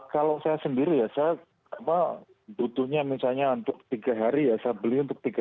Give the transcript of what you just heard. kalau saya sendiri ya saya butuhnya misalnya untuk tiga hari ya saya beli untuk tiga kali